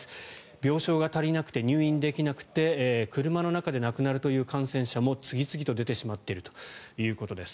病床が足りなくて入院できなくて車の中で亡くなるという感染者も次々と出てしまっているということです。